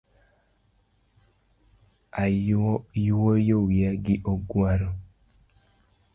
Ayuoyo wiya gi oguaru